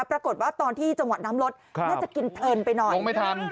ปรากฏว่าตอนที่จังหวัดน้ำรถครับน่าจะกินเพลินไปหน่อยลงไม่ทัน